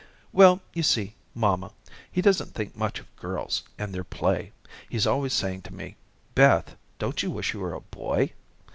"Well, you see, mamma, he doesn't think much of girls and their play. He's always saying to me, 'Beth, don't you wish you were a boy?'